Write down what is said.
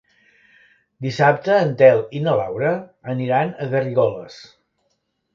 Dissabte en Telm i na Laura aniran a Garrigoles.